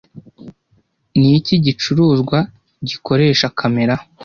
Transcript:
Niki gicuruzwa gikoresha Kamera